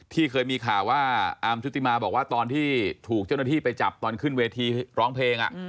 ที่เคยมีข่าวว่าอาร์มชุติมาบอกว่าตอนที่ถูกเจ้าหน้าที่ไปจับตอนขึ้นเวทีร้องเพลง